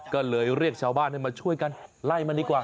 ก็เลยเรียกชาวบ้านให้มาช่วยกันไล่มันดีกว่า